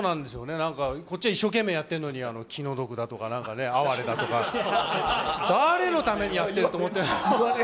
なんか、こっちは一生懸命やってるのに、気の毒だとか、哀れだとか、誰のためにやってると思ってるんだって。